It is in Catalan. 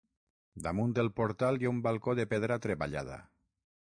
Damunt el portal hi ha un balcó de pedra treballada.